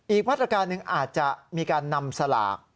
อีกวัตการณ์หนึ่งอาจจะมีการนำสลาก